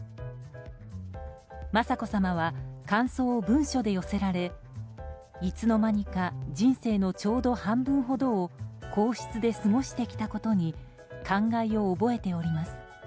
雅子さまは感想を文書で寄せられいつの間にか人生のちょうど半分ほどを皇室で過ごしてきたことに感慨を覚えております。